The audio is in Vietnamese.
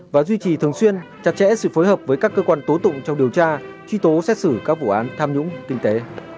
và duy trì thường xuyên chặt chẽ sự phối hợp với các cơ quan tố tụng trong điều tra truy tố xét xử các vụ án tham nhũng kinh tế